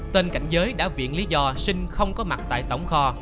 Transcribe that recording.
tên cảnh giới đã viện lý do sinh không có mặt tại tổng kho